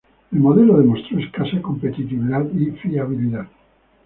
El modelo demostró escasa competitividad y fiabilidad.